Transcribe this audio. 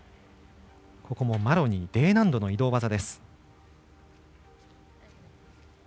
ここもマロニー、Ｄ難度の移動技。